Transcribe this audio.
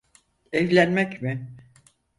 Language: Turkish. Evlenmek mi?